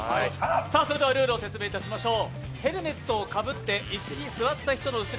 ルールを説明いたしましょう。